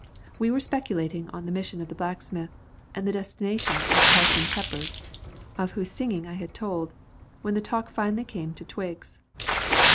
We were speculating on the mission of the blacksmith, and the destination of Parson Peppers, of whose singing I had told, when the talk came finally to Twiggs.